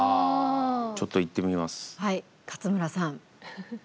ちょっと、言ってみます。